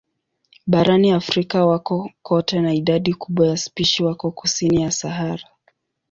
Barani Afrika wako kote na idadi kubwa ya spishi wako kusini ya Sahara.